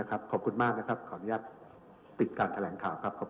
ขออนุญาตปิดการแถลงข่าวนะครับ